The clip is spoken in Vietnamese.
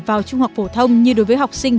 vào trung học phổ thông như đối với học sinh